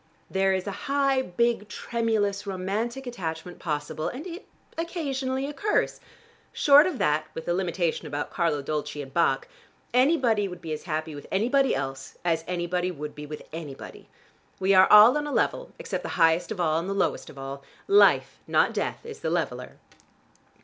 There is a high, big, tremulous, romantic attachment possible, and it occasionally occurs. Short of that, with the limitation about Carlo Dolci and Bach, anybody would be as happy with anybody else, as anybody would be with anybody. We are all on a level, except the highest of all, and the lowest of all. Life, not death, is the leveler!"